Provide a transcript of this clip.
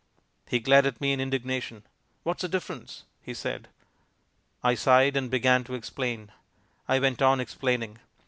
He glared at me in indignation. "What's the difference?" he said. I sighed and began to explain. I went on explaining.